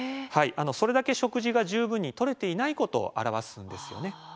それだけ食事が十分にとれていないことを表すんですよね。